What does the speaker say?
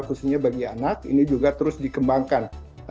khususnya bagi anak ini juga terus dikembangkan